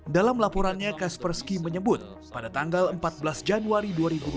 dalam laporannya kaspersky menyebut pada tanggal empat belas januari dua ribu dua puluh